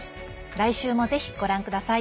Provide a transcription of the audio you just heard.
来週も、ぜひご覧ください。